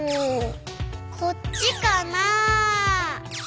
こっちかな？